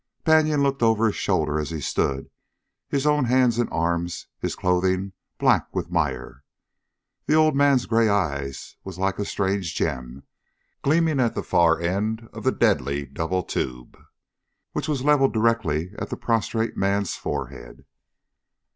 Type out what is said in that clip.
Banion looked over his shoulder as he stood, his own hands and arms, his clothing, black with mire. The old man's gray eye was like a strange gem, gleaming at the far end of the deadly double tube, which was leveled direct at the prostrate man's forehead.